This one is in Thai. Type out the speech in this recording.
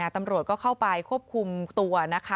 ตำรวจก็เข้าไปควบคุมตัวนะคะ